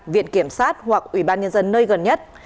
viện kiểm sát hoặc ủy ban nhân dân nơi gần nhất